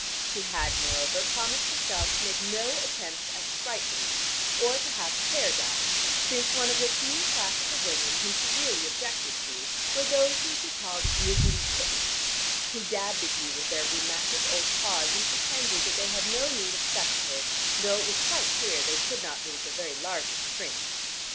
She had, moreover, promised herself to make no attempts at sprightliness or to have her hair dyed, since one of the few classes of women whom she really objected to were those whom she called grizzly kittens, who dabbed at you with their rheumatic old paws, and pretended that they had no need of spectacles, though it was quite clear they could not read the very largest print.